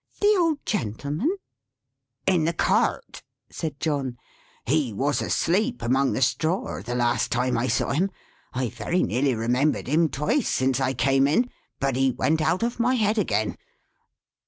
"The old gentleman?" "In the cart," said John. "He was asleep, among the straw, the last time I saw him. I've very nearly remembered him, twice, since I came in; but he went out of my head again.